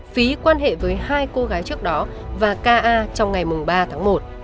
phí quan hệ với hai cô gái trước đó và k a trong ngày ba tháng một